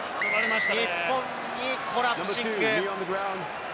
日本にコラプシング。